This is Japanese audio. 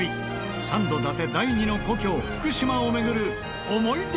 サンド伊達第２の故郷福島を巡る思い出